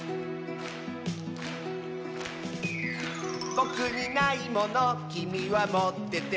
「ぼくにないものきみはもってて」